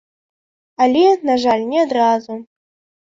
Але, на жаль, не адразу.